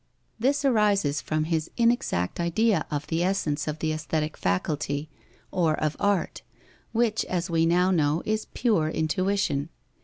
This arises from his inexact idea of the essence of the aesthetic faculty or of art, which, as we now know, is pure intuition.